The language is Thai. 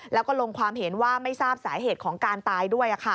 แล้วก็ลงความเห็นว่าไม่ทราบสาเหตุของการตายด้วย